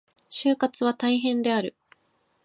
就活は大変である。